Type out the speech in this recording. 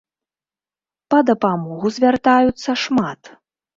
Па дапамогу звяртаюцца шмат.